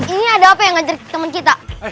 ini ada apa yang ngejar temen kita